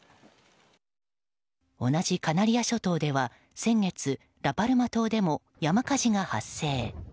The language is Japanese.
同じカナリア諸島では先月、ラ・パルマ島でも山火事が発生。